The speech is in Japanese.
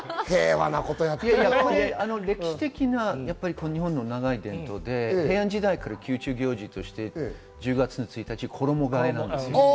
歴史的な日本の長い伝統で平安時代から宮中行事として１０月１日衣替えです。